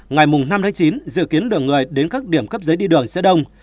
ngày năm tháng chín dự kiến lượng người đến các điểm cấp giấy đi đường sẽ đông